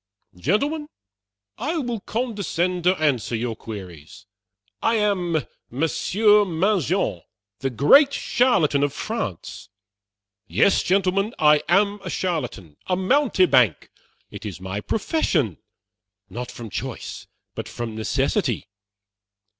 Gentlemen, I will condescend to answer your queries. I am Monsieur Mangin, the great charlatan of France! Yes, gentlemen, I am a charlatan a mountebank; it is my profession, not from choice, but from necessity.